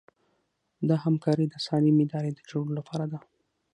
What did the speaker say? دا همکاري د سالمې ادارې د جوړولو لپاره ده.